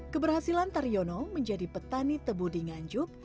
keberhasilan taryono menjadi petani tebu di nganjuk